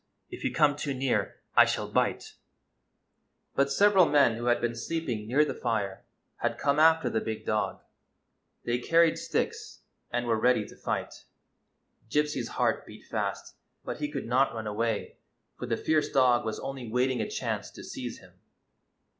If you come too near, I shall biter But several men who had been sleeping near the fire had come after the big dog. They car ried sticks, and were ready to fight. Gypsy's heart beat fast; but he could not run away, for the fierce dog was only waiting a chance to seize him.